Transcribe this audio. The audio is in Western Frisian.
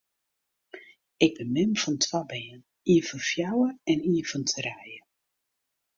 Ik bin mem fan twa bern, ien fan fjouwer en ien fan trije.